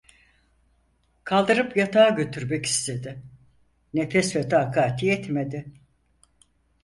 Kaldırıp yatağa götürmek istedi, nefes ve takati yetmedi.